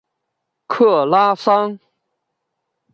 克拉桑。